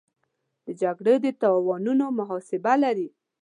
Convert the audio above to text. د جګړې د تاوانونو محاسبه لري.